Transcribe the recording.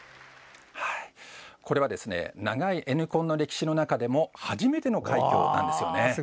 これは長いＮコンの歴史の中でも初めての快挙です。